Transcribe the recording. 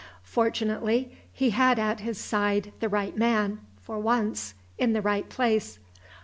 Fortunately, he had at his side the right man (for once) in the right place.